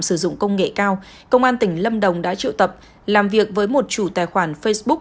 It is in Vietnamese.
sử dụng công nghệ cao công an tỉnh lâm đồng đã triệu tập làm việc với một chủ tài khoản facebook